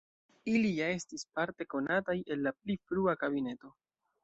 Ili ja estis parte konataj el la pli frua kabineto.